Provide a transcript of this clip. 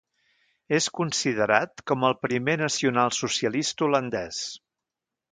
És considerat com el primer nacionalsocialista holandès.